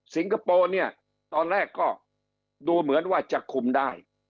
คโปร์เนี่ยตอนแรกก็ดูเหมือนว่าจะคุมได้